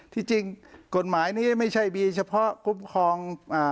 ที่จริงกฎหมายนี้ไม่ใช่มีเฉพาะคุ้มครอง